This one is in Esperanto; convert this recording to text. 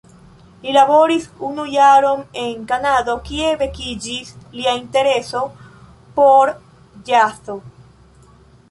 Li laboris unu jaron en Kanado, kie vekiĝis lia intereso por ĵazo.